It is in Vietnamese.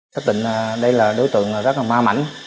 xác định đây là đối tượng rất là ma mảnh